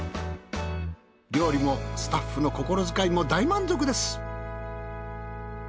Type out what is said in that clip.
料理もスタッフの心遣いも大満足です。